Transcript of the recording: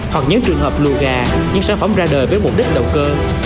hoặc những trường hợp lùi gà những sản phẩm ra đời với mục đích động cơ